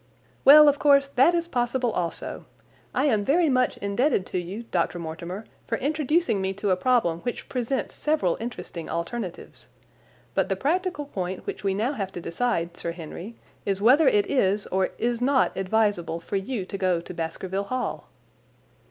"Well, of course, that is possible also. I am very much indebted to you, Dr. Mortimer, for introducing me to a problem which presents several interesting alternatives. But the practical point which we now have to decide, Sir Henry, is whether it is or is not advisable for you to go to Baskerville Hall."